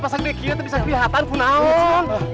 pasang bikinnya tuh bisa kelihatan kenaan